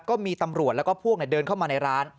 ก็มีตำรวจแล้วก็พวกเดินเข้ามาในร้าน